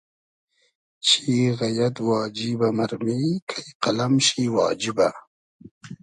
چی غئیئد واجیبۂ مئرمی کݷ قئلئم شی واجیبۂ